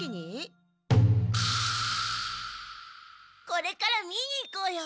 これから見に行こうよ！